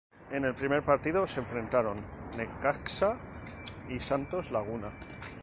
En el primer partido se enfrentaron Necaxa y Santos Laguna.